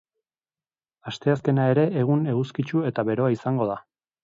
Asteazkena ere egun eguzkitsu eta beroa izango da.